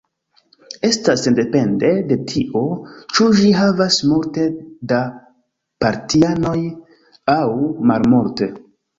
Estas sendepende de tio, ĉu ĝi havas multe da partianoj aŭ malmulte.